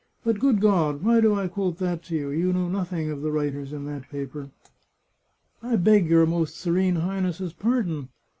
But, good God! why do I quote that to you ? You know nothing of the writers in that paper !"" I beg your Most Serene Highness's pardon.